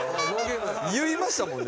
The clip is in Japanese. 言いましたもんね。